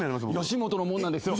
吉本の者なんですよ。